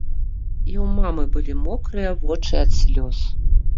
І ў мамы былі мокрыя вочы ад слёз.